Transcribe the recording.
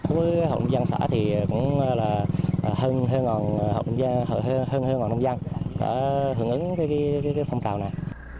với hội nông dân xã thì cũng là hơn hơn hội nông dân hợp ứng với cái phòng trào này